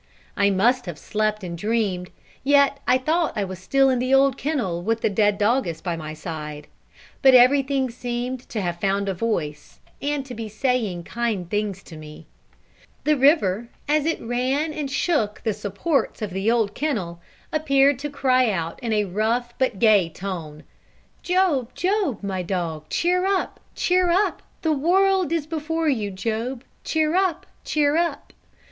I must have slept and dreamed yet I thought I was still in the old kennel with the dead doggess by my side. But everything seemed to have found a voice, and to be saying kind things to me. The river, as it ran and shook the supports of the old kennel, appeared to cry out in a rough but gay tone: "Job, Job, my dog, cheer up, cheer up; the world is before you, Job, cheer up, cheer up."